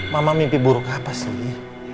mama mimpi buruk apa sih